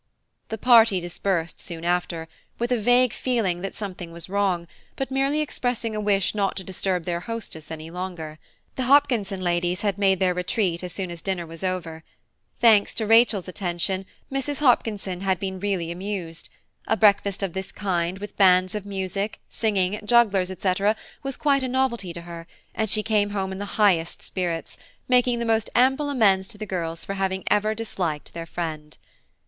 The party dispersed soon after, with a vague feeling that "something was wrong," but merely expressing a wish not to disturb their hostess any longer; the Hopkinson ladies had made their retreat as soon as dinner was over. Thanks to Rachel's attention, Mrs. Hopkinson had really been amused. A breakfast of this kind, with bands of music, singing, jugglers, etc., was quite a novelty to her; and she came home in the highest spirits, making the most ample amends to the girls for ever having disliked their friend.